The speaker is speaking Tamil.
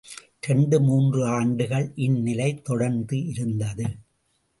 இரண்டு மூன்று ஆண்டுகள் இந்நிலை தொடர்ந்து இருந்தது.